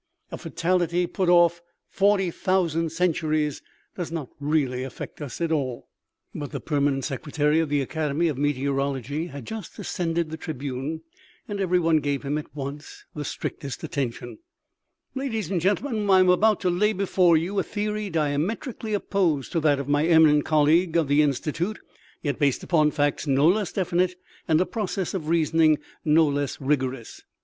A fatality put off 40,000 centuries does not really affect us at all. But the permanent secretary of the academy of meteo rology had just ascended the tribune, and every one gave him at once the strictest attention :" Ladies and gentlemen : I am about to lay before you a theory diametrically opposed to that of my eminent colleague of the Institute, yet based upon facts no less definite and a process of reasoning no less rigorous.